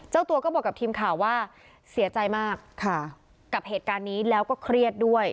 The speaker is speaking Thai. เจ้าตัวก็บอกกับทีมข่าวว่าเสียใจมากกับเหตุการณ์นี้แล้วก็เครียดด้วย